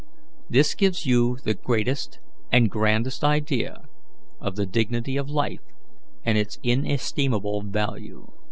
This gives you the greatest and grandest idea of the dignity of life and its inestimable value.